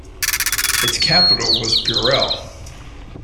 Its capital was Burrel.